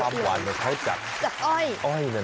ผมชอบการให้ความหวานเหมือนกับอ้อย